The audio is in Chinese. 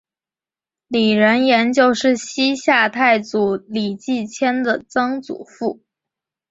李仁颜就是西夏太祖李继迁的曾祖父。